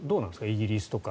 イギリスとか。